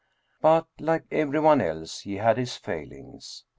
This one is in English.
But, like everyone else, he had his fail ings.